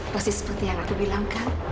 pasti seperti yang aku bilang kan